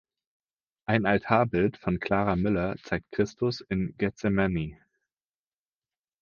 Ein Altarbild von Clara Müller zeigt Christus in Gethsemane.